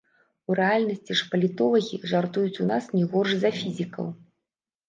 У рэальнасці ж палітолагі жартуюць у нас не горш за фізікаў.